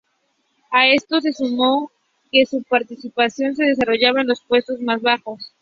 A esto se sumó que su participación se desarrollaba en los puestos más bajos.